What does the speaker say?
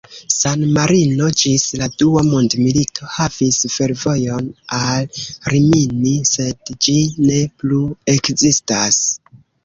San-Marino ĝis la Dua mondmilito havis fervojon al Rimini, sed ĝi ne plu ekzistas.